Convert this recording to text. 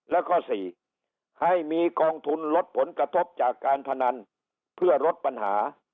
แล้วก็๔ให้มีกองทุนลดผลกระทบจากการพนันเพื่อลดปัญหา